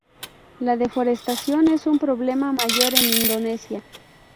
La deforestación es un problema mayor en Indonesia.